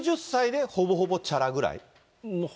９０歳でほぼほぼちゃらぐらい？